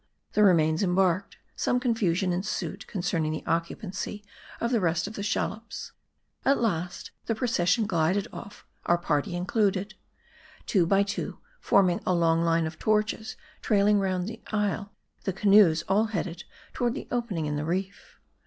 The remains embarked, some confusion ensued concerning the occupancy of the rest of the shallops. At last the pro cession glided off, our party included. Two by Jwo, forming a long line of torches trailing round the isle, the canoes all headed toward the opening in the reef.